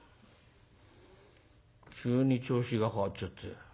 「急に調子が変わっちゃったよ。